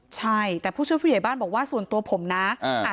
ใช่แต่ผู้ช่วยผู้ใหญ่บ้านบอกว่าส่วนตัวผมนะ